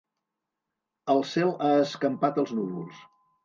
El cel ha escampat els núvols.